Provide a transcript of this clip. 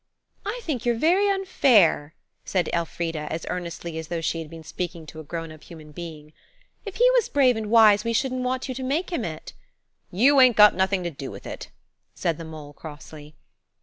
"I think you're very unfair," said Elfrida, as earnestly as though she had been speaking to a grown up human being; "if he was brave and wise we shouldn't want you to make him it." "You ain't got nothing to do with it," said the mole crossly.